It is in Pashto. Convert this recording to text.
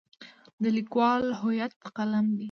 د لیکوال هویت قلم دی.